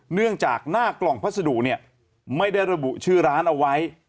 เนื่องจากหน้ากล่องพัสดุเนี่ยไม่ได้ระบุชื่อร้านเอาไว้